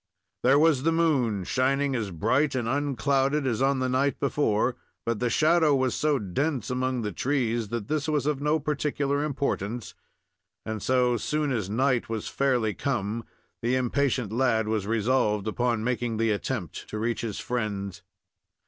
There was the moon, shining as bright and unclouded as on the night before; but the shadow was so dense among the trees that this was of no particular importance, and so soon as night was fairly come the impatient lad was resolved upon making the attempt to reach his friends.